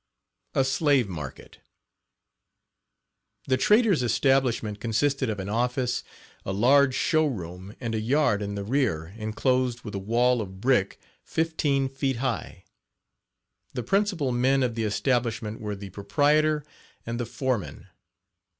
A SLAVE MARKET. The trader's establishment consisted of an office, a large show room and a yard in the rear enclosed with a wall of brick fifteen feet high. The principal men of the establishment were the proprietor and the foreman.